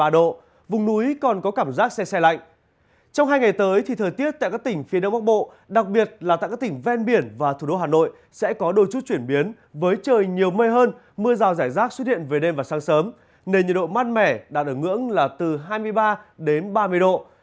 trong hai ngày tới thì thời tiết tại các tỉnh phía đông bắc bộ đặc biệt là tại các tỉnh ven biển và thủ đô hà nội sẽ có đôi chút chuyển biến với trời nhiều mây hơn mưa rào rải rác xuất hiện về đêm và sáng sớm nền nhiệt độ mát mẻ đạt ở ngưỡng là từ hai mươi ba đến ba mươi độ